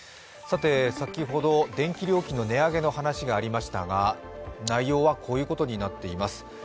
先ほど、電気料金の値上げの話がありましたが内容はこういうことになっています。